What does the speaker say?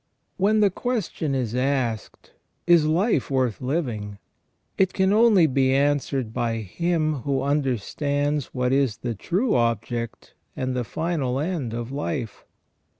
When the question is asked : Is life worth living ? it can only be answered by him who understands what is the true object and the final end of life.